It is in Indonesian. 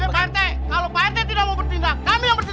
pak rt kalau pak rt tidak mau bertindak kami yang bertindak sendiri